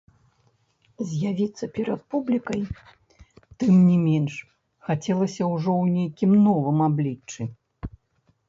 З'явіцца перад публікай, тым не менш, хацелася ўжо ў нейкім новым абліччы.